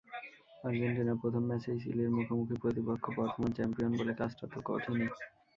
Argentina প্রথম ম্যাচেই চিলির মুখোমুখি, প্রতিপক্ষ বর্তমান চ্যাম্পিয়ন বলে কাজটা তো কঠিনই।